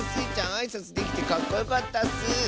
あいさつできてかっこよかったッス！